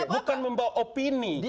bukan membawa opini